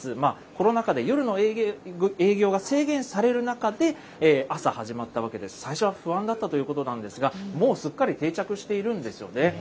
コロナ禍で夜の営業が制限される中で、朝始まったわけで、最初は不安だったということなんですが、もうすっかり定着しているんですよね。